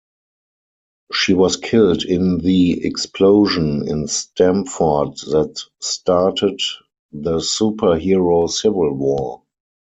She was killed in the explosion in Stamford that started the Superhero Civil War.